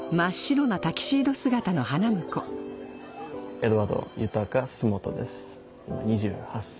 エドワード豊須本です２８歳。